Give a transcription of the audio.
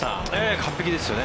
完璧ですよね。